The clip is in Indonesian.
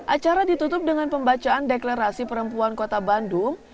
acara ditutup dengan pembacaan deklarasi perempuan kota bandung